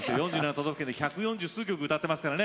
都道府県で百四十数曲歌ってますからね。